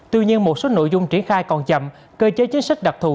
tuy nhiên một số nội dung triển khai còn chậm cơ chế chính sách đặc thù